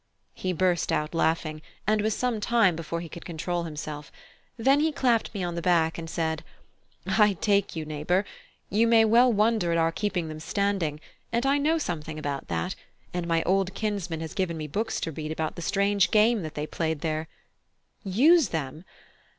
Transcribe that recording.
He burst out laughing, and was some time before he could control himself; then he clapped me on the back and said: "I take you, neighbour; you may well wonder at our keeping them standing, and I know something about that, and my old kinsman has given me books to read about the strange game that they played there. Use them!